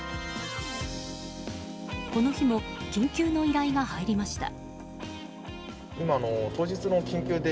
この日も緊急の依頼が入りました。